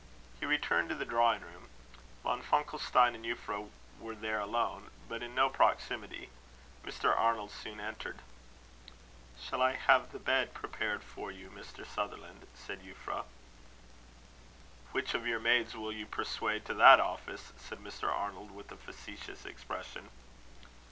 He returned to the drawing room. Von Funkelstein and Euphra were there alone, but in no proximity. Mr. Arnold soon entered. "Shall I have the bed prepared for you, Mr. Sutherland?" said Euphra. "Which of your maids will you persuade to that office?" said Mr. Arnold, with a facetious expression.